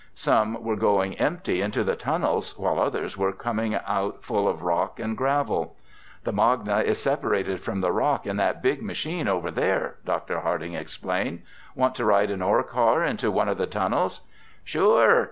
Some were going empty into the tunnels while others were coming out full of rock and gravel. "The magna is separated from the rock in that big machine over there," Dr. Harding explained. "Want to ride an ore car into one of the tunnels?" "Sure!"